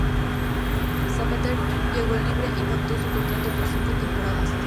Zapater llegó libre y pactó su contrato por cinco temporadas.